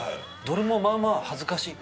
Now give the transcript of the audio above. どれもまあまあ恥ずかしい。